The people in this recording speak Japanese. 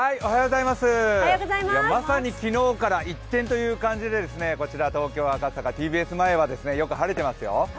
まさに昨日から一転という感じでですね、こちら東京・赤坂ＴＢＳ前はよく晴れていますよ。